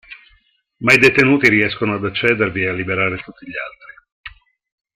Ma i detenuti riescono ad accedervi e a liberare tutti gli altri.